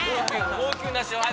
高級な塩味！